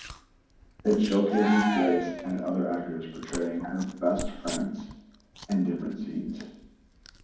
It showcases Grace and other actors portraying her "best friends" in different scenes.